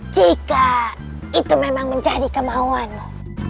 jika itu memang mencari kemauanmu